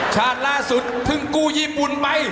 ชาติล่าสุดเพิ่งกู้ญี่ปุ่นไป